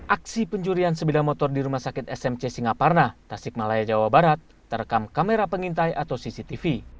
aksi pencurian sepeda motor di rumah sakit smc singaparna tasik malaya jawa barat terekam kamera pengintai atau cctv